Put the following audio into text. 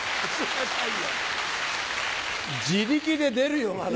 自力で出るよまだ。